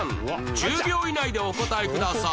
１０秒以内でお答えください